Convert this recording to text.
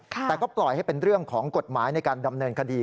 แต่ก็ปล่อยให้เป็นเรื่องของกฎหมายในการดำเนินคดี